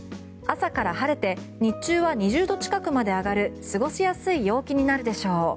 朝から晴れて日中は２０度近くまで上がる過ごしやすい陽気になるでしょう。